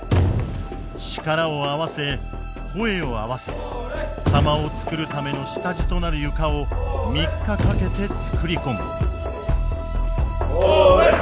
力を合わせ声を合わせ釜をつくるための下地となる床を３日かけてつくり込む。